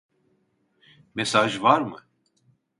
Mesaj var mı?